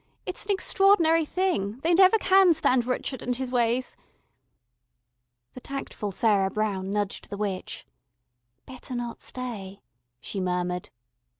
It's an extraordinary thing, they never can stand Rrchud and his ways." The tactful Sarah Brown nudged the witch. "Better not stay," she murmured.